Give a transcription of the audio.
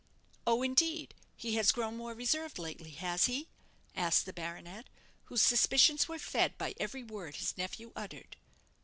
"Oh, indeed. He has grown more reserved lately, has he?" asked the baronet, whose suspicions were fed by every word his nephew uttered.